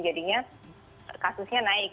jadinya kasusnya naik